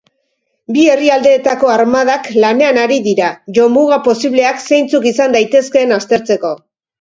Bi herrialdeetako armadak lanean ari dira jomuga posibleak zeintzuk izan daitezkeen aztertzeko.